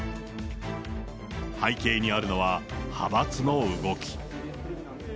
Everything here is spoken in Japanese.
背景にあるのは、派閥の動き。